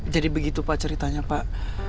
jadi begitu pak ceritanya pak